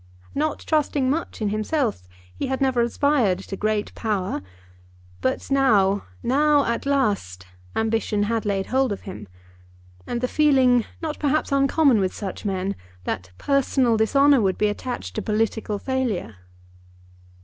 Not trusting much in himself, he had never aspired to great power. But now, now at last, ambition had laid hold of him, and the feeling, not perhaps uncommon with such men, that personal dishonour would be attached to political failure.